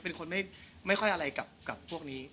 เป็นคนไม่ค่อยอะไรกับพวกนี้